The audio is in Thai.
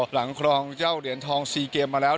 ครองเจ้าเหรียญทอง๔เกมมาแล้ว